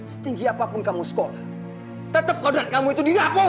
setinggi apapun kamu sekolah tetep kodat kamu itu di ngapur